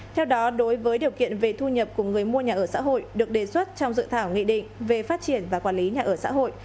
theo đó đối với điều kiện về thu nhập của người mua nhà ở xã hội được đề xuất trong dự thảo nghị định về phát triển và quản lý nhà ở xã hội